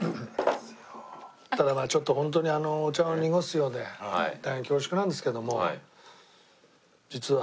ただなちょっとホントにお茶を濁すようで大変恐縮なんですけども。